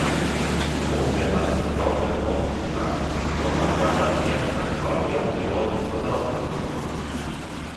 Mūsdienās tas daudzviet nosusināts, tomēr vēl aizvien saglabā lielu bioloģisko daudzveidību.